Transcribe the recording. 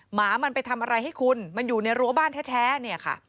หมามันไปทำอะไรให้คุณมันอยู่ในรั้วบ้านแท้เนี่ยค่ะ